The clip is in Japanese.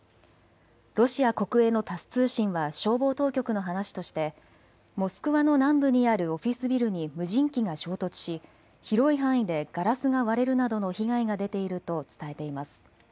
ロシア国営のタス通信は消防当局の話としてモスクワの南部にあるオフィスビルに無人機が衝突し広い範囲でガラスが割れるなどの被害が出ていると伝えています。